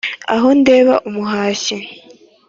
Aho ndeba umuhashyi